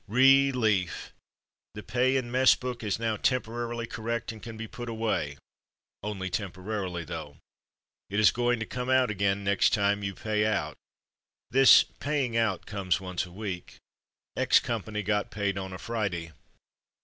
Relief! The pay and mess book is now temporarily correct and can be put away — only temporarily though. It is going to come out again next time you "pay out.'' This ''paying out" comes once a week. X Company got paid on a Friday.